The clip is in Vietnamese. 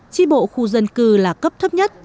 chỉ bộ khu dân cư là cấp thấp nhất